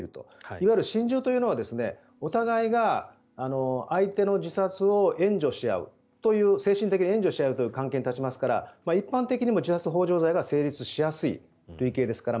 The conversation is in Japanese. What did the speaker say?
いわゆる心中というのはお互いが相手の自殺を援助し合うという精神的に援助し合うという関係に立ちますから一般的にも自殺ほう助罪が成立しやすい類型ですから